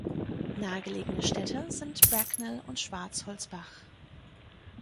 Nahegelegene Städte sind Bracknell und Schwarzholz Bach.